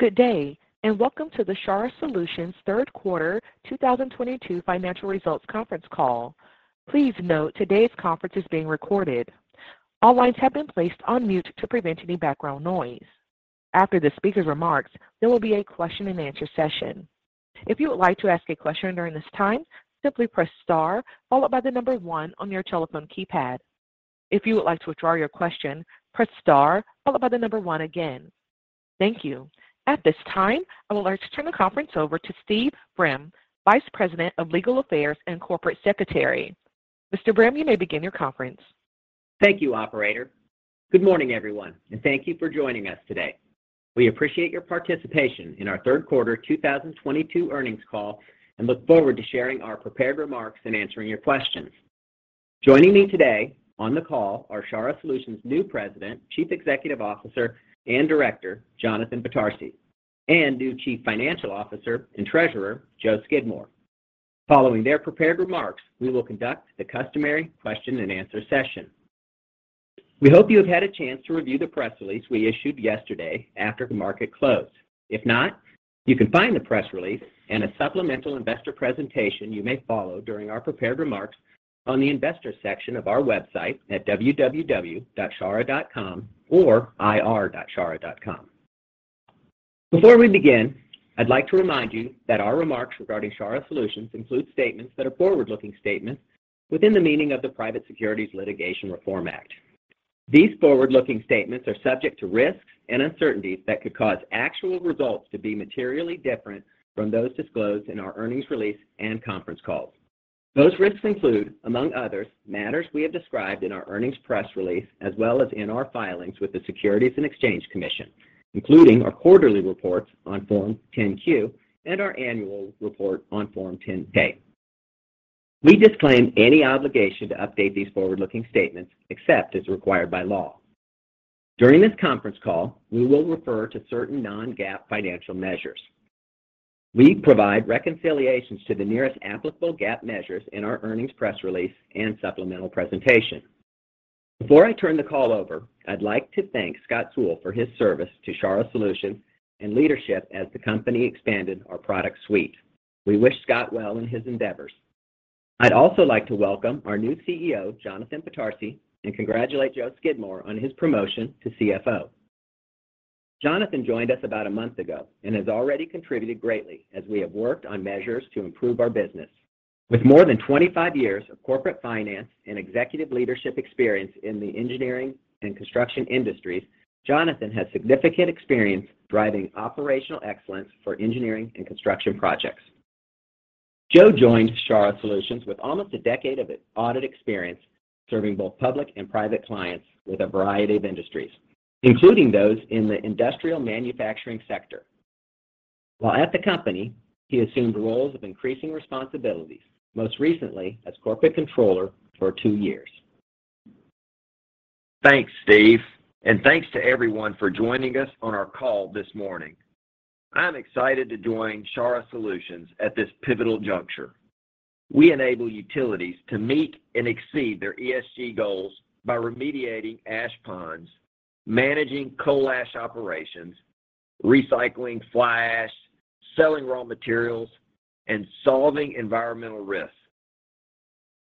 Good day, and welcome to the Charah Solutions third quarter 2022 financial results conference call. Please note today's conference is being recorded. All lines have been placed on mute to prevent any background noise. After the speaker's remarks, there will be a question-and-answer session. If you would like to ask a question during this time, simply press star followed by the number one on your telephone keypad. If you would like to withdraw your question, press star followed by the number one again. Thank you. At this time, I would like to turn the conference over to Steve Brehm, Vice President of Legal Affairs and Corporate Secretary. Mr. Brehm, you may begin your conference. Thank you, operator. Good morning, everyone, and thank you for joining us today. We appreciate your participation in our third quarter 2022 earnings call and look forward to sharing our prepared remarks and answering your questions. Joining me today on the call are Charah Solutions' new President, Chief Executive Officer, and Director, Jonathan Batarseh, and new Chief Financial Officer and Treasurer, Joe Skidmore. Following their prepared remarks, we will conduct the customary question-and-answer session. We hope you have had a chance to review the press release we issued yesterday after the market closed. If not, you can find the press release and a supplemental investor presentation you may follow during our prepared remarks on the investor section of our website at www.charah.com or ir.charah.com. Before we begin, I'd like to remind you that our remarks regarding Charah Solutions include statements that are forward-looking statements within the meaning of the Private Securities Litigation Reform Act. These forward-looking statements are subject to risks and uncertainties that could cause actual results to be materially different from those disclosed in our earnings release and conference calls. Those risks include, among others, matters we have described in our earnings press release, as well as in our filings with the Securities and Exchange Commission, including our quarterly reports on Form 10-Q and our annual report on Form 10-K. We disclaim any obligation to update these forward-looking statements except as required by law. During this conference call, we will refer to certain non-GAAP financial measures. We provide reconciliations to the nearest applicable GAAP measures in our earnings press release and supplemental presentation. Before I turn the call over, I'd like to thank Scott Sewell for his service to Charah Solutions and leadership as the company expanded our product suite. We wish Scott well in his endeavors. I'd also like to welcome our new CEO, Jonathan Batarseh, and congratulate Joe Skidmore on his promotion to CFO. Jonathan joined us about a month ago and has already contributed greatly as we have worked on measures to improve our business. With more than 25 years of corporate finance and executive leadership experience in the engineering and construction industries, Jonathan has significant experience driving operational excellence for engineering and construction projects. Joe joined Charah Solutions with almost a decade of audit experience, serving both public and private clients with a variety of industries, including those in the industrial manufacturing sector. While at the company, he assumed roles of increasing responsibilities, most recently as corporate controller for two years. Thanks, Steve. Thanks to everyone for joining us on our call this morning. I'm excited to join Charah Solutions at this pivotal juncture. We enable utilities to meet and exceed their ESG goals by remediating ash ponds, managing coal ash operations, recycling fly ash, selling raw materials, and solving environmental risks.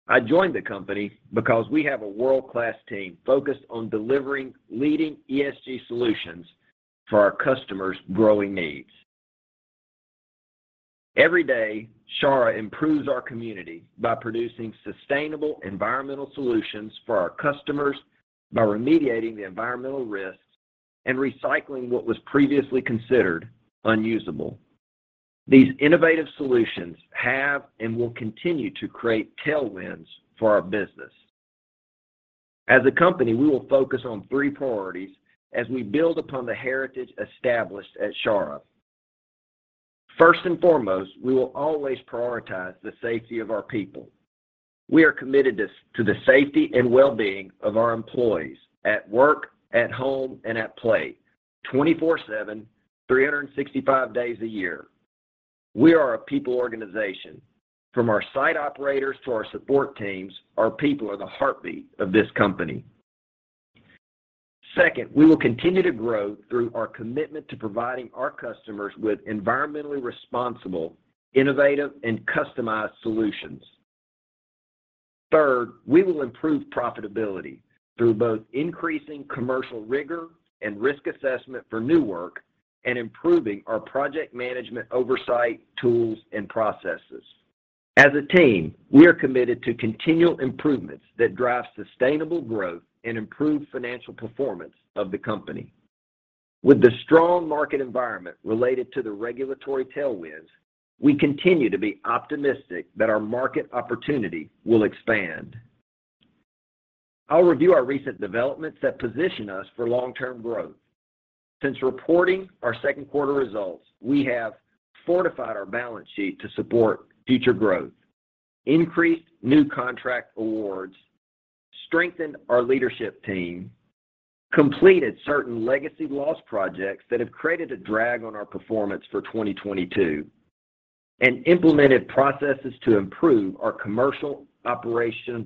I joined the company because we have a world-class team focused on delivering leading ESG solutions for our customers' growing needs. Every day, Charah improves our community by producing sustainable environmental solutions for our customers by remediating the environmental risks and recycling what was previously considered unusable. These innovative solutions have and will continue to create tailwinds for our business. As a company, we will focus on three priorities as we build upon the heritage established at Charah. First and foremost, we will always prioritize the safety of our people. We are committed to the safety and well-being of our employees at work, at home, and at play, 24/7, 365 days a year. We are a people organization. From our site operators to our support teams, our people are the heartbeat of this company. Second, we will continue to grow through our commitment to providing our customers with environmentally responsible, innovative, and customized solutions. Third, we will improve profitability through both increasing commercial rigor and risk assessment for new work and improving our project management oversight, tools, and processes. As a team, we are committed to continual improvements that drive sustainable growth and improve financial performance of the company. With the strong market environment related to the regulatory tailwinds, we continue to be optimistic that our market opportunity will expand. I'll review our recent developments that position us for long-term growth. Since reporting our second quarter results, we have fortified our balance sheet to support future growth, increased new contract awards, strengthened our leadership team, completed certain legacy loss projects that have created a drag on our performance for 2022 and implemented processes to improve our commercial operation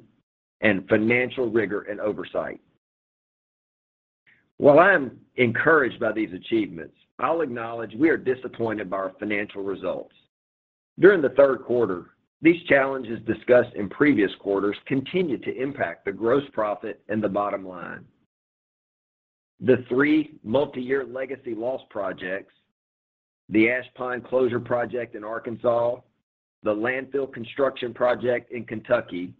and financial rigor and oversight. While I am encouraged by these achievements, I'll acknowledge we are disappointed by our financial results. During the third quarter, these challenges discussed in previous quarters continued to impact the gross profit and the bottom line. The three multi-year legacy loss projects, the ash pond closure project in Arkansas, the landfill construction project in Kentucky,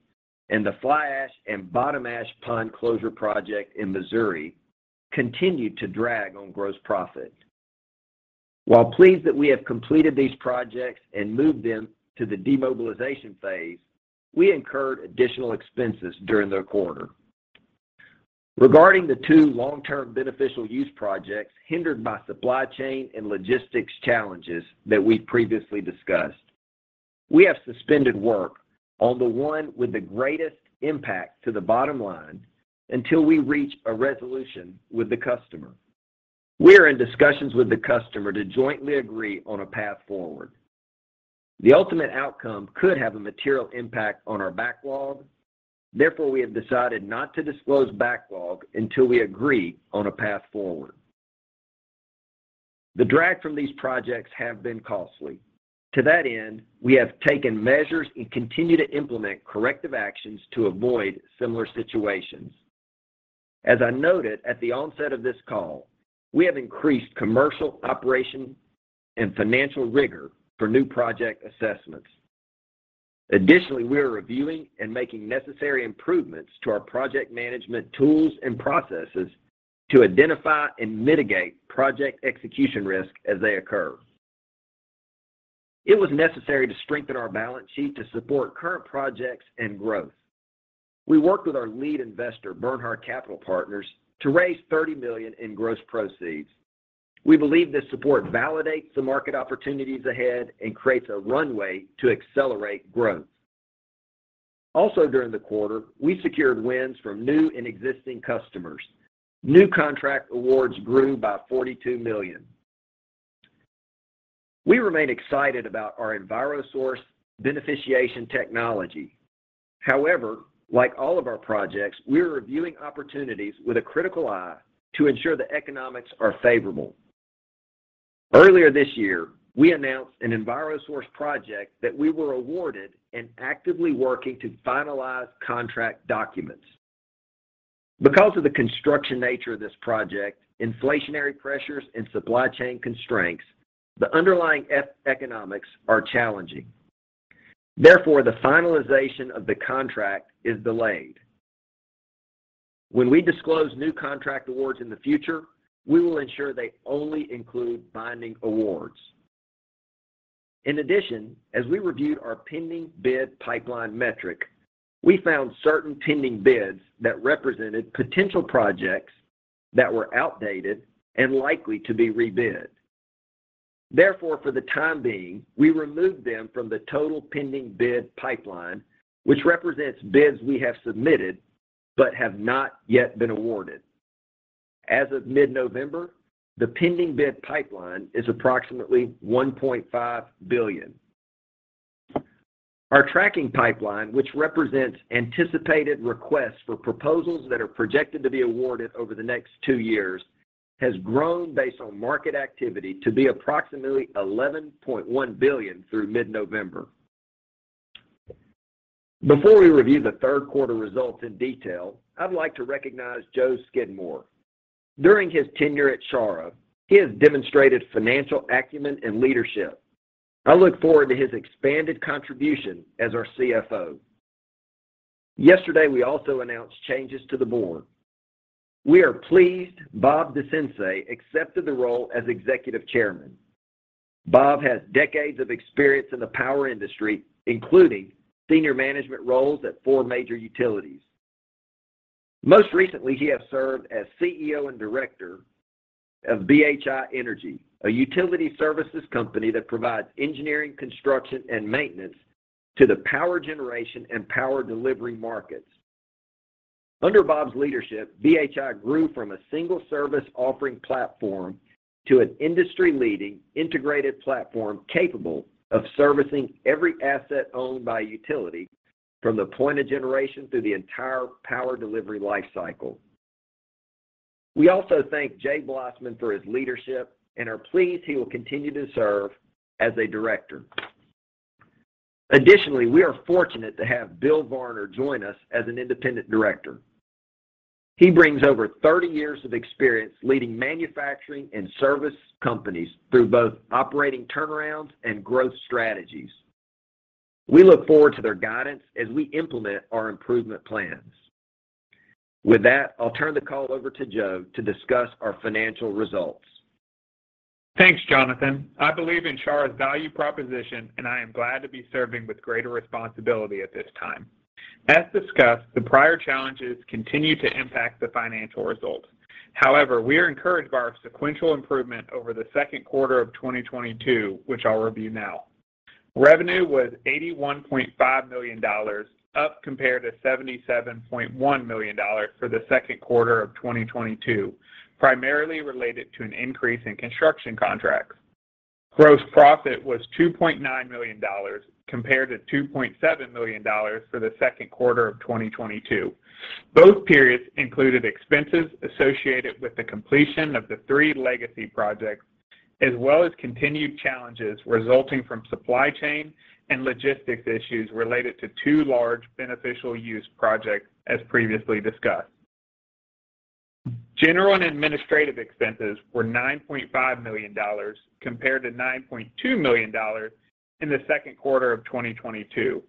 and the fly ash and bottom ash pond closure project in Missouri continued to drag on gross profit. While pleased that we have completed these projects and moved them to the demobilization phase, we incurred additional expenses during the quarter. Regarding the two long-term beneficial use projects hindered by supply chain and logistics challenges that we previously discussed, we have suspended work on the one with the greatest impact to the bottom line until we reach a resolution with the customer. We are in discussions with the customer to jointly agree on a path forward. The ultimate outcome could have a material impact on our backlog. Therefore, we have decided not to disclose backlog until we agree on a path forward. The drag from these projects have been costly. To that end, we have taken measures and continue to implement corrective actions to avoid similar situations. As I noted at the onset of this call, we have increased commercial operation and financial rigor for new project assessments. Additionally, we are reviewing and making necessary improvements to our project management tools and processes to identify and mitigate project execution risk as they occur. It was necessary to strengthen our balance sheet to support current projects and growth. We worked with our lead investor, Bernhard Capital Partners, to raise $30 million in gross proceeds. We believe this support validates the market opportunities ahead and creates a runway to accelerate growth. Also during the quarter, we secured wins from new and existing customers. New contract awards grew by $42 million. We remain excited about our EnviroSource beneficiation technology. However, like all of our projects, we are reviewing opportunities with a critical eye to ensure the economics are favorable. Earlier this year, we announced an EnviroSource project that we were awarded and actively working to finalize contract documents. Because of the construction nature of this project, inflationary pressures and supply chain constraints, the underlying economics are challenging. Therefore, the finalization of the contract is delayed. When we disclose new contract awards in the future, we will ensure they only include binding awards. In addition, as we reviewed our pending bid pipeline metric, we found certain pending bids that represented potential projects that were outdated and likely to be rebid. Therefore, for the time being, we removed them from the total pending bid pipeline, which represents bids we have submitted but have not yet been awarded. As of mid-November, the pending bid pipeline is approximately $1.5 billion. Our tracking pipeline, which represents anticipated requests for proposals that are projected to be awarded over the next two years, has grown based on market activity to be approximately $11.1 billion through mid-November. Before we review the third quarter results in detail, I'd like to recognize Joe Skidmore. During his tenure at Charah, he has demonstrated financial acumen and leadership. I look forward to his expanded contribution as our CFO. Yesterday, we also announced changes to the board. We are pleased Bob Decensi accepted the role as Executive Chair. Bob has decades of experience in the power industry, including senior management roles at four major utilities. Most recently, he has served as CEO and Director of BHI Energy, a utility services company that provides engineering, construction, and maintenance to the power generation and power delivery markets. Under Bob's leadership, BHI grew from a single service offering platform to an industry-leading integrated platform capable of servicing every asset owned by a utility from the point of generation through the entire power delivery life cycle. We also thank Jay Blossman for his leadership and are pleased he will continue to serve as a director. Additionally, we are fortunate to have Bill Varner join us as an independent director. He brings over 30 years of experience leading manufacturing and service companies through both operating turnarounds and growth strategies. We look forward to their guidance as we implement our improvement plans. With that, I'll turn the call over to Joe to discuss our financial results. Thanks, Jonathan. I believe in Charah's value proposition, and I am glad to be serving with greater responsibility at this time. As discussed, the prior challenges continue to impact the financial results. However, we are encouraged by our sequential improvement over the second quarter of 2022, which I'll review now. Revenue was $81.5 million, up compared to $77.1 million for the second quarter of 2022, primarily related to an increase in construction contracts. Gross profit was $2.9 million compared to $2.7 million for the second quarter of 2022. Both periods included expenses associated with the completion of the three legacy projects as well as continued challenges resulting from supply chain and logistics issues related to two large beneficial use projects as previously discussed. General and administrative expenses were $9.5 million compared to $9.2 million in the second quarter of 2022,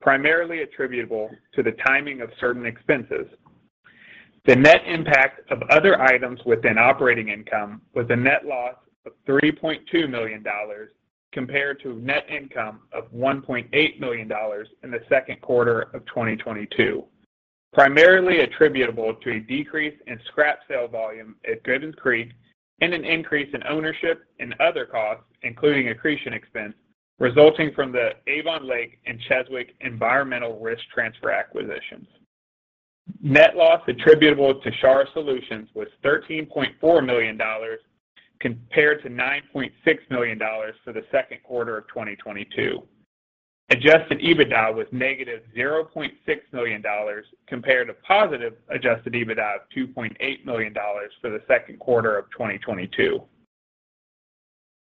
primarily attributable to the timing of certain expenses. The net impact of other items within operating income was a net loss of $3.2 million compared to net income of $1.8 million in the second quarter of 2022, primarily attributable to a decrease in scrap sale volume at Gibbons Creek and an increase in ownership and other costs, including accretion expense, resulting from the Avon Lake and Cheswick environmental risk transfer acquisitions. Net loss attributable to Charah Solutions was $13.4 million compared to $9.6 million for the second quarter of 2022. Adjusted EBITDA was -$0.6 million compared to positive Adjusted EBITDA of $2.8 million for the second quarter of 2022.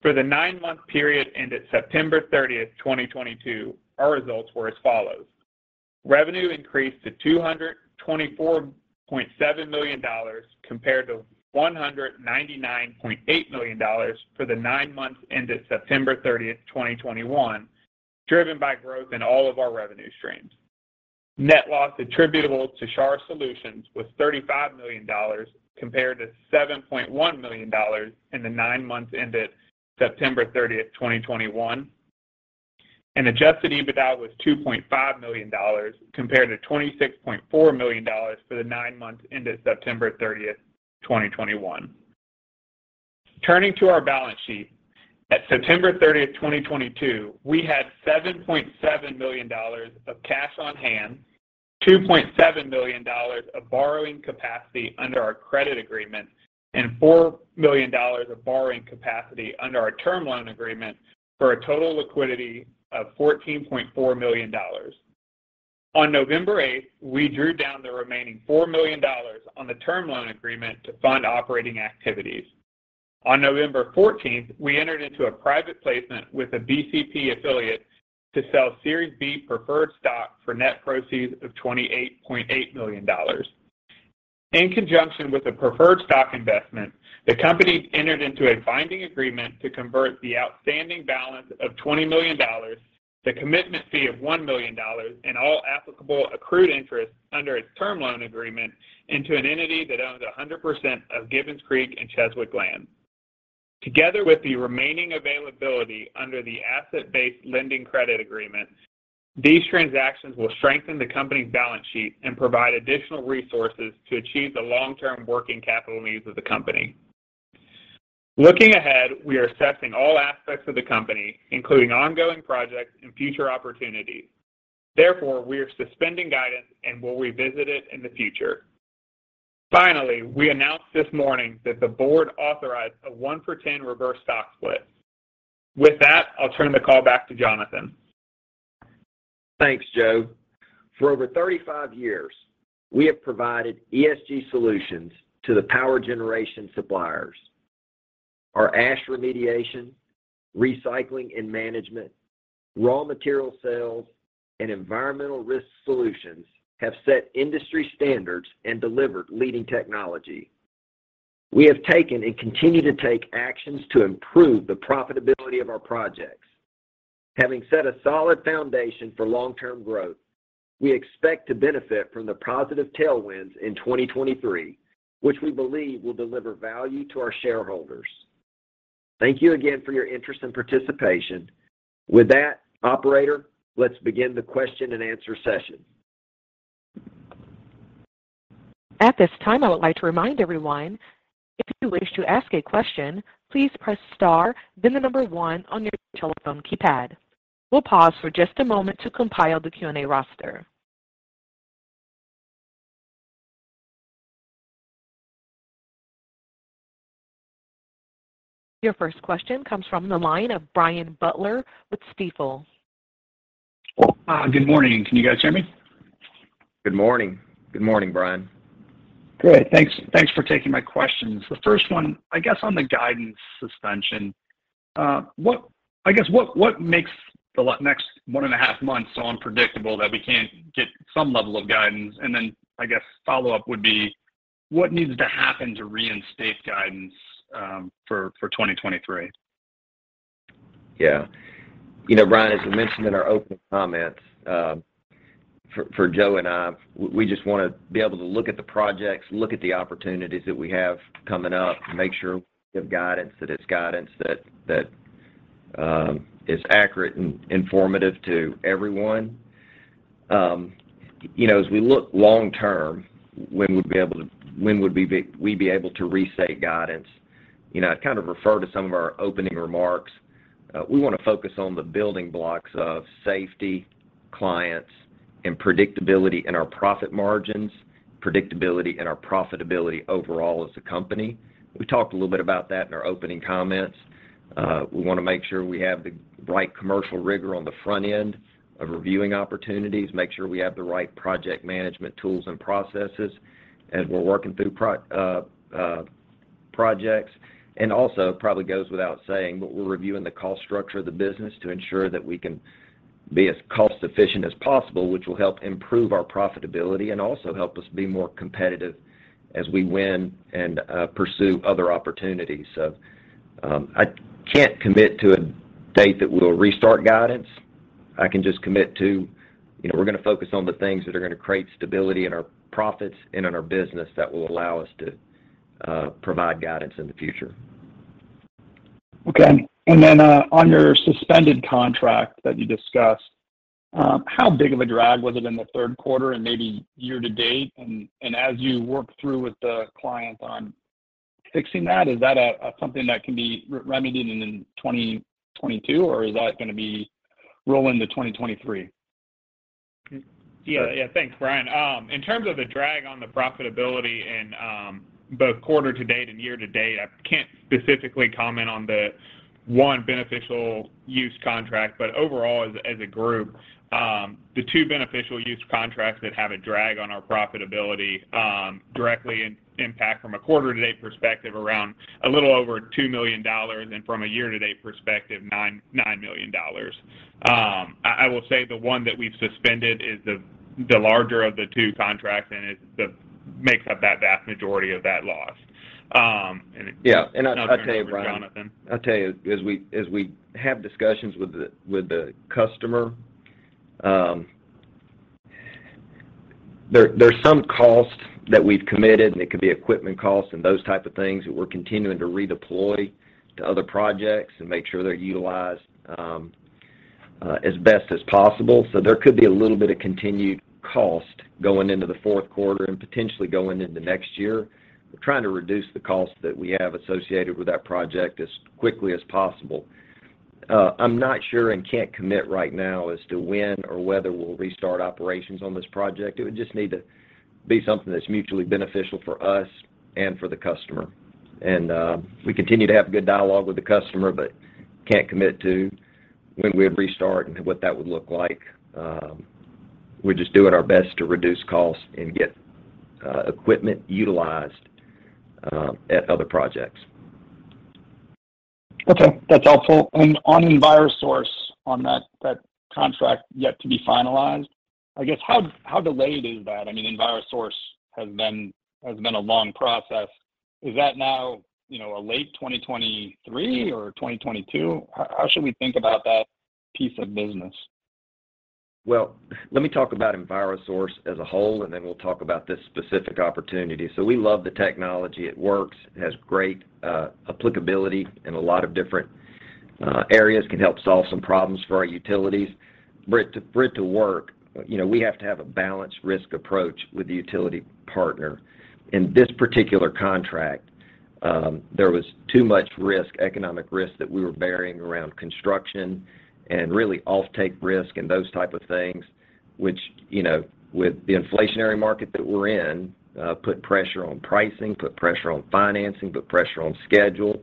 For the nine-month period ended September 30, 2022, our results were as follows. Revenue increased to $224.7 million compared to $199.8 million for the nine months ended September 30, 2021, driven by growth in all of our revenue streams. Net loss attributable to Charah Solutions was $35 million compared to $7.1 million in the nine months ended September 30, 2021, and Adjusted EBITDA was $2.5 million compared to $26.4 million for the nine months ended September 30, 2021. Turning to our balance sheet, at September 30, 2022, we had $7.7 million of cash on hand, $2.7 million of borrowing capacity under our credit agreement, and $4 million of borrowing capacity under our term loan agreement for a total liquidity of $14.4 million. On November 8, we drew down the remaining $4 million on the term loan agreement to fund operating activities. On November 14, we entered into a private placement with a BCP affiliate to sell Series B preferred stock for net proceeds of $28.8 million. In conjunction with the preferred stock investment, the company entered into a binding agreement to convert the outstanding balance of $20 million, the commitment fee of $1 million, and all applicable accrued interest under its term loan agreement into an entity that owns 100% of Gibbons Creek and Cheswick Land. Together with the remaining availability under the asset-based lending credit agreement, these transactions will strengthen the company's balance sheet and provide additional resources to achieve the long-term working capital needs of the company. Looking ahead, we are assessing all aspects of the company, including ongoing projects and future opportunities. Therefore, we are suspending guidance and will revisit it in the future. Finally, we announced this morning that the board authorized a 1-for-10 reverse stock split. With that, I'll turn the call back to Jonathan. Thanks, Joe. For over 35 years, we have provided ESG solutions to the power generation suppliers. Our ash remediation, recycling and management, raw material sales, and environmental risk solutions have set industry standards and delivered leading technology. We have taken and continue to take actions to improve the profitability of our projects. Having set a solid foundation for long-term growth, we expect to benefit from the positive tailwinds in 2023, which we believe will deliver value to our shareholders. Thank you again for your interest and participation. With that, operator, let's begin the question and answer session. At this time, I would like to remind everyone, if you wish to ask a question, please press star, then one on your telephone keypad. We'll pause for just a moment to compile the Q&A roster. Your first question comes from the line of Brian Butler with Stifel. Good morning. Can you guys hear me? Good morning. Good morning, Brian. Great. Thanks for taking my questions. The first one, I guess, on the guidance suspension, what makes the next 1.5 months so unpredictable that we can't get some level of guidance? Then I guess follow-up would be what needs to happen to reinstate guidance for 2023? Yeah. You know, Brian, as we mentioned in our opening comments, for Joe and I, we just want to be able to look at the projects, look at the opportunities that we have coming up, make sure we have guidance, that it's guidance that is accurate and informative to everyone. You know, as we look long-term, when we'd be able to restate guidance, you know, I'd kind of refer to some of our opening remarks. We want to focus on the building blocks of safety, clients and predictability in our profit margins, predictability in our profitability overall as a company. We talked a little bit about that in our opening comments. We wanna make sure we have the right commercial rigor on the front end of reviewing opportunities, make sure we have the right project management tools and processes as we're working through projects. Also, it probably goes without saying, but we're reviewing the cost structure of the business to ensure that we can be as cost efficient as possible, which will help improve our profitability and also help us be more competitive as we win and pursue other opportunities. I can't commit to a date that we'll restart guidance. I can just commit to, you know, we're gonna focus on the things that are gonna create stability in our profits and in our business that will allow us to provide guidance in the future. On your suspended contract that you discussed, how big of a drag was it in the third quarter and maybe year-to-date? As you work through with the client on fixing that, is that something that can be remedied in 2022, or is that gonna roll into 2023? Yeah. Yeah. Thanks, Brian. In terms of the drag on the profitability in both quarter-to-date and year-to-date, I can't specifically comment on the one beneficial use contract. Overall as a group, the two beneficial use contracts that have a drag on our profitability directly impact from a quarter-to-date perspective around a little over $2 million, and from a year-to-date perspective, $9 million. I will say the one that we've suspended is the larger of the two contracts, and it makes up that vast majority of that loss. And it- Yeah. I tell you, Brian. Jonathan I'll tell you, as we have discussions with the customer, there's some costs that we've committed, and it could be equipment costs and those type of things that we're continuing to redeploy to other projects and make sure they're utilized as best as possible. There could be a little bit of continued cost going into the fourth quarter and potentially going into next year. We're trying to reduce the costs that we have associated with that project as quickly as possible. I'm not sure and can't commit right now as to when or whether we'll restart operations on this project. It would just need to be something that's mutually beneficial for us and for the customer. We continue to have good dialogue with the customer, but can't commit to when we'd restart and what that would look like. We're just doing our best to reduce costs and get equipment utilized at other projects. Okay. That's helpful. On EnviroSource, on that contract yet to be finalized, I guess how delayed is that? I mean, EnviroSource has been a long process. Is that now, you know, a late 2023 or 2022? How should we think about that piece of business? Well, let me talk about EnviroSource as a whole, and then we'll talk about this specific opportunity. We love the technology. It works, it has great applicability in a lot of different areas, can help solve some problems for our utilities. For it to work, you know, we have to have a balanced risk approach with the utility partner. In this particular contract, there was too much risk, economic risk that we were bearing around construction and really offtake risk and those type of things, which, you know, with the inflationary market that we're in, put pressure on pricing, put pressure on financing, put pressure on schedule,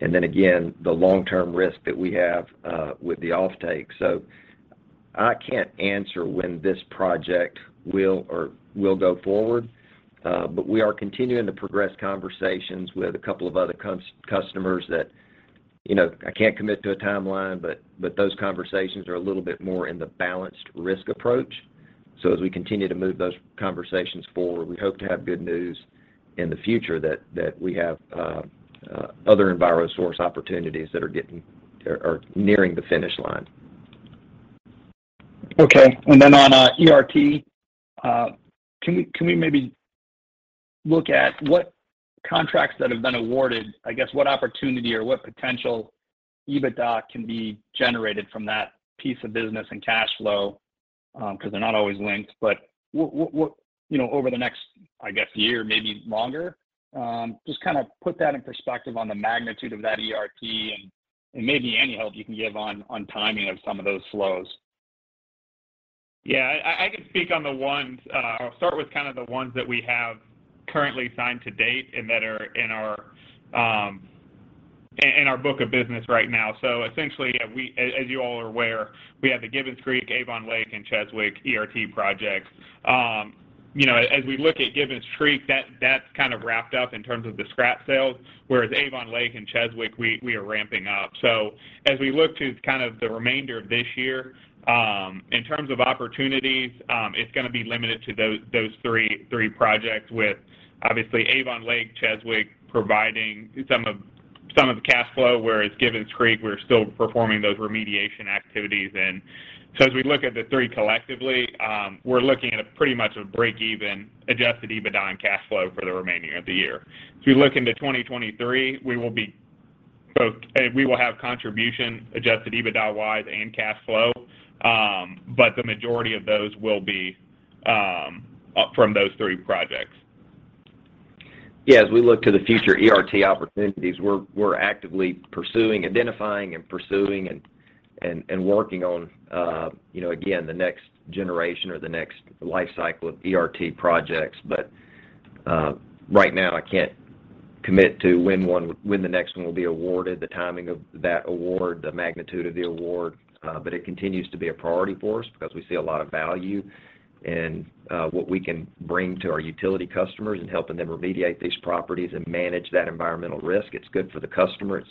and then again, the long-term risk that we have with the offtake. I can't answer when this project will go forward, but we are continuing to progress conversations with a couple of other customers that. You know, I can't commit to a timeline, but those conversations are a little bit more in the balanced risk approach. As we continue to move those conversations forward, we hope to have good news in the future that we have other EnviroSource opportunities that are getting or are nearing the finish line. Okay. Then on ERT, can we maybe look at what contracts that have been awarded, I guess, what opportunity or what potential EBITDA can be generated from that piece of business and cash flow? 'Cause they're not always linked. What, you know, over the next, I guess, year, maybe longer, just kind of put that in perspective on the magnitude of that ERT and maybe any help you can give on timing of some of those flows. Yeah. I can speak on the ones. I'll start with kind of the ones that we have currently signed to date and that are in our book of business right now. Essentially, as you all are aware, we have the Gibbons Creek, Avon Lake, and Cheswick ERT projects. You know, as we look at Gibbons Creek, that's kind of wrapped up in terms of the scrap sales, whereas Avon Lake and Cheswick, we are ramping up. As we look to kind of the remainder of this year, in terms of opportunities, it's gonna be limited to those three projects with obviously Avon Lake, Cheswick providing some of the cash flow, whereas Gibbons Creek, we're still performing those remediation activities. As we look at the three collectively, we're looking at pretty much a break-even Adjusted EBITDA and cash flow for the remaining of the year. If you look into 2023, we will have contribution Adjusted EBITDA-wise and cash flow, but the majority of those will be from those three projects. Yeah. As we look to the future ERT opportunities, we're actively pursuing, identifying and working on, you know, again, the next generation or the next life cycle of ERT projects. Right now I can't commit to when the next one will be awarded, the timing of that award, the magnitude of that award. It continues to be a priority for us because we see a lot of value in what we can bring to our utility customers in helping them remediate these properties and manage that environmental risk. It's good for the customer.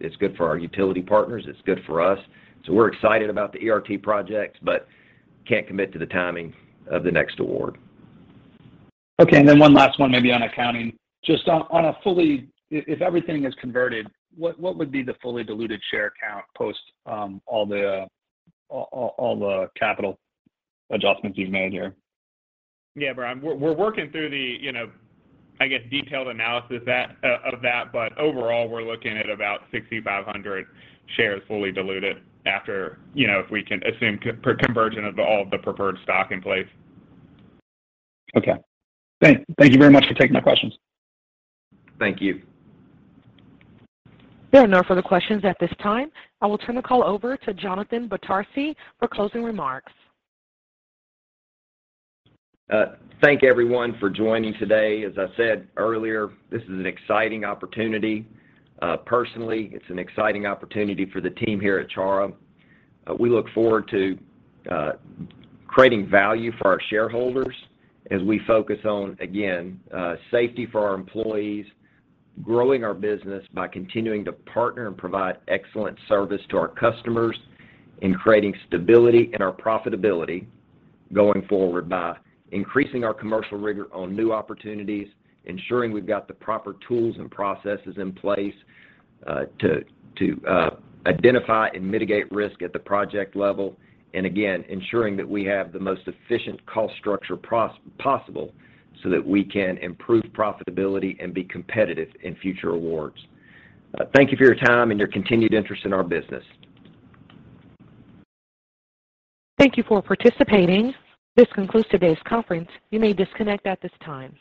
It's good for our utility partners. It's good for us. We're excited about the ERT projects, but can't commit to the timing of the next award. Okay. One last one maybe on accounting. Just if everything is converted, what would be the fully diluted share count post all the capital adjustments you've made here? Yeah, Brian, we're working through the, you know, I guess, detailed analysis that of that. But overall, we're looking at about 6,500 shares fully diluted after, you know, if we can assume conversion of all the preferred stock in place. Okay. Thank you very much for taking my questions. Thank you. There are no further questions at this time. I will turn the call over to Jonathan Batarseh for closing remarks. Thank everyone for joining today. As I said earlier, this is an exciting opportunity, personally. It's an exciting opportunity for the team here at Charah. We look forward to creating value for our shareholders as we focus on, again, safety for our employees, growing our business by continuing to partner and provide excellent service to our customers, and creating stability in our profitability going forward by increasing our commercial rigor on new opportunities, ensuring we've got the proper tools and processes in place to identify and mitigate risk at the project level. Again, ensuring that we have the most efficient cost structure possible so that we can improve profitability and be competitive in future awards. Thank you for your time and your continued interest in our business. Thank you for participating. This concludes today's conference. You may disconnect at this time.